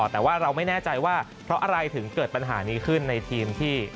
แต่ว่าเราไม่แน่ใจว่าเพราะอะไรถึงเกิดปัญหานี้ขึ้นในทีมที่